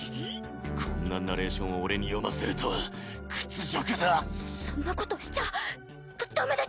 こんなナレーションを俺に読ませるとは屈辱だそんなことしちゃダダメです。